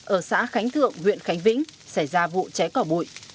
ở xã khánh thượng huyện khánh vĩnh xảy ra vụ cháy cỏ bụi